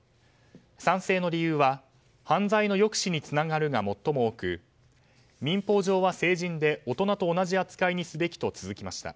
賛成の理由は、犯罪の抑止につながるが最も多く民法上は成人で大人と同じ扱いにすべきと続きました。